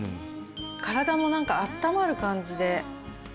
体もなんか温まる感じで。